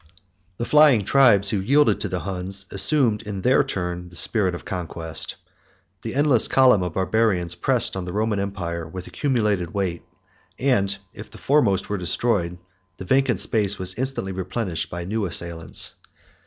The flying tribes who yielded to the Huns assumed in their turn the spirit of conquest; the endless column of Barbarians pressed on the Roman empire with accumulated weight; and, if the foremost were destroyed, the vacant space was instantly replenished by new assailants.